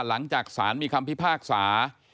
หลังจากสารมีคำพิพากษา